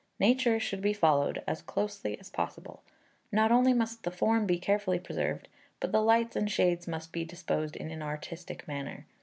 Nature should be followed as closely as possible. Not only must the form be carefully preserved, but the lights and shades must be disposed in an artistic manner.